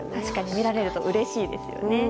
みられるとうれしいですね。